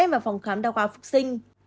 một em vào phòng khám đa khoa phúc sinh